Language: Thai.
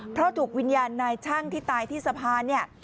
เพราะถูกวิญญาณนายช่างที่ตายที่สะพานเนี่ย